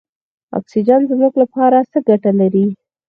اکسیجن زموږ لپاره څه ګټه لري.